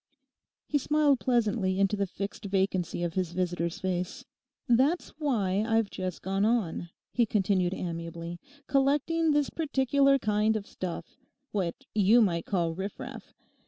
He smiled pleasantly into the fixed vacancy of his visitor's face. 'That's why I've just gone on,' he continued amiably, 'collecting this particular kind of stuff—what you might call riff raff.